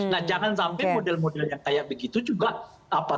nah jangan sampai model model yang kayak begitu juga apa